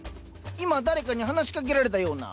今誰かに話しかけられたような。